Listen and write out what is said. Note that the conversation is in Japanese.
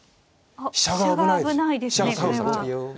あっ飛車が危ないですねこれは。